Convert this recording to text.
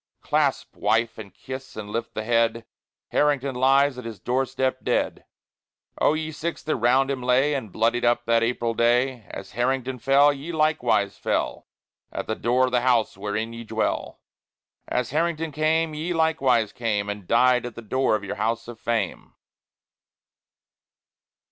Clasp, Wife, and kiss, and lift the head: Harrington lies at his doorstep dead. But, O ye Six that round him lay And bloodied up that April day! As Harrington fell, ye likewise fell At the door of the House wherein ye dwell; As Harrington came, ye likewise came And died at the door of your House of Fame.